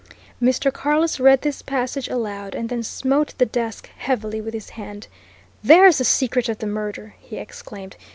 '" Mr. Carless read this passage aloud, and then smote the desk heavily with his hand. "There's the secret of the murder!" he exclaimed.